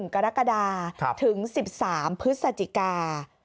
กรกฎาถึง๑๓พฤศจิกา